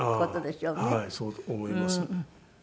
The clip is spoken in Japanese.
そう思います。